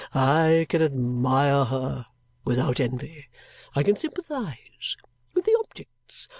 I can admire her without envy. I can sympathize with the objects.